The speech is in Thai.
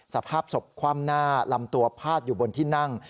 สภาพศพคว่ำหน้าลำตัวพาดอยู่บนที่นั่ง